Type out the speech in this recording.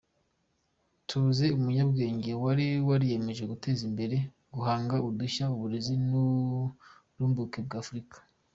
Tubuze umunyabwenge wari wariyemeje guteza imbere guhanga udushya, uburezi n’uburumbuke bwa Afurika.